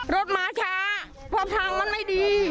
รถมาช้าเพราะทางมันไม่ดี